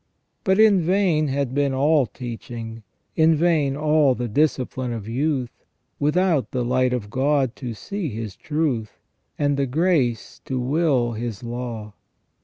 But in vain had been all teaching, in vain all the discipline of youth, without the light of God to see His truth, and the grace to will His law.